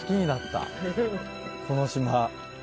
この島。